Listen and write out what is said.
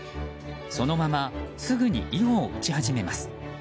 そのまますぐに囲碁を打ち始めます。